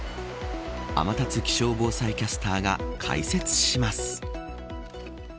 天達気象防災キャスターが解説します。